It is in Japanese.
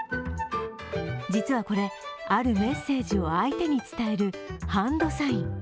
実はこれ、あるメッセージを相手に伝えるハンドサイン。